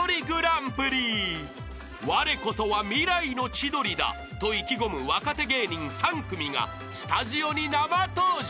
［われこそは未来の千鳥だと意気込む若手芸人３組がスタジオに生登場。